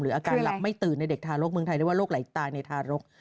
อาการหลับไม่ตื่นในเด็กทารกเมืองไทยเรียกว่าโรคไหลตายในทารก